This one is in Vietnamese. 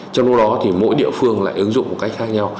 trong lúc đó thì mỗi địa phương lại ứng dụng một cách khác nhau